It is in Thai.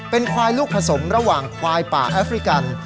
เป็นควายลูกผสมระหว่างควายป่าแอฟริกัน